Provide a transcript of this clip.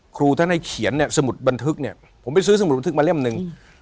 ครูท่านให้เขียนเนี่ยสมุดบันทึกเนี่ยผมไปซื้อสมุดบันทึกมาเล่มหนึ่ง